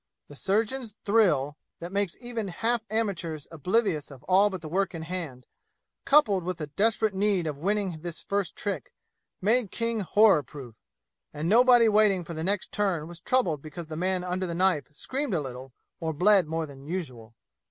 The surgeon's thrill that makes even half amateurs oblivious of all but the work in hand, coupled with the desperate need of winning this first trick, made King horror proof; and nobody waiting for the next turn was troubled because the man under the knife screamed a little or bled more than usual.